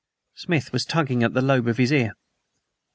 Smith was tugging at the lobe of his ear.